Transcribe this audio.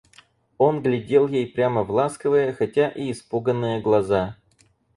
Он глядел ей прямо в ласковые, хотя и испуганные глаза.